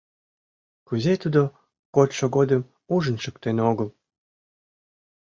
Кузе тудо кодшо годым ужын шуктен огыл?